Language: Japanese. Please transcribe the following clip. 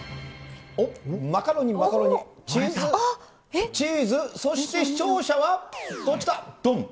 おっ、マカロニ、マカロニ、チーズ、チーズ、そして視聴者は、おっ、きた、どん。